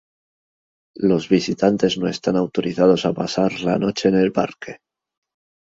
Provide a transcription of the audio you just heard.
Los visitantes no están autorizados a pasar la noche en el parque.